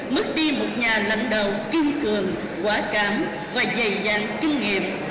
mất đi một nhà lãnh đạo kiên cường quả cảm và dày dặn kinh nghiệm